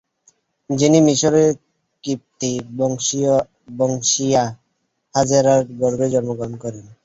যিনি মিসরের কিবতী বংশীয়া হাজেরার গর্ভে জন্মগ্রহণ করেন।